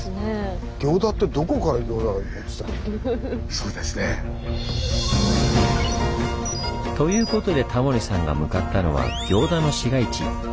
そうですね。ということでタモリさんが向かったのは行田の市街地。